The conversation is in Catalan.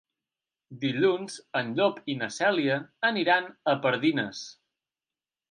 Dilluns en Llop i na Cèlia aniran a Pardines.